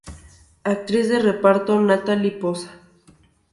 Actriz de reparto: Nathalie Poza.